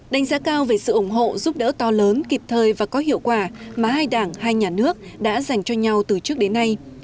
đánh giá cao về sự ủng hộ giúp đỡ to lớn kịp thời và có hiệu quả mà hai đảng hai nhà nước đã dành cho nhau từ trước đến nay